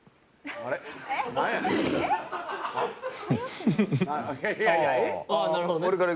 ああなるほどね。